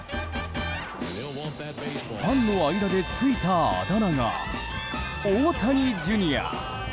ファンの間でついたあだ名がオオタニＪｒ．。